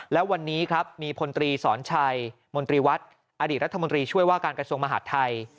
แล้ววันนี้ครับมีพลตรีสอนชัยมนตรีวัดอดีตรัฐมนตรีช่วยว่าการกระทรวงมหาดไทย